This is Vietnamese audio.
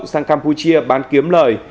sang campuchia bán kiếm lời